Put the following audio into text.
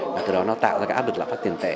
và từ đó nó tạo ra cái áp lực lạm phát tiền tệ